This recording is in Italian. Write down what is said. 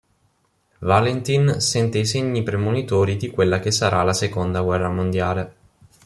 Valentin sente i segni premonitori di quella che sarà la seconda guerra mondiale.